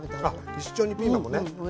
一緒にピーマンもね。